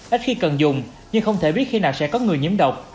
ít khi cần dùng nhưng không thể biết khi nào sẽ có người nhiễm độc